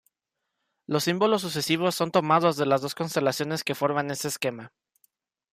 Los símbolos sucesivos son tomados de las dos constelaciones que forman este esquema.